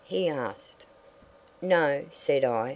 he asked. "No," said I.